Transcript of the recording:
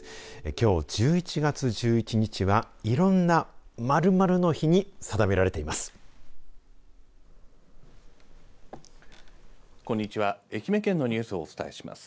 きょう１１月１１日はいろんな○○の日に定められています。